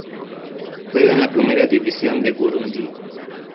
Juega en la Primera División de Burundi.